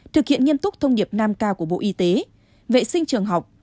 thực hiện nghiêm túc thông điệp năm k của bộ y tế vệ sinh trường học